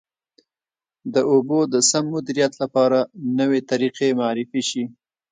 د اوبو د سم مدیریت لپاره نوې طریقې معرفي شي.